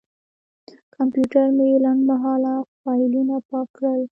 کمپیوټر مې لنډمهاله فایلونه پاک کړل.